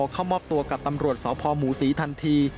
เข้ามอบตัวกับตำรวจสพหมูศรีทันที